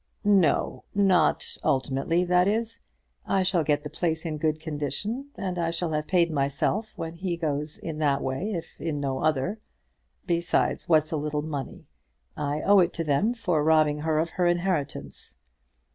"No; not ultimately, that is. I shall get the place in good condition, and I shall have paid myself when he goes, in that way, if in no other. Besides, what's a little money? I owe it to them for robbing her of her inheritance."